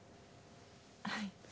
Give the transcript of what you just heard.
はい。